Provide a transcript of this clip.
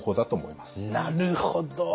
なるほど！